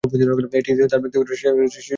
এটিই তার ব্যক্তিগত সেরা বোলিং পরিসংখ্যান ছিল।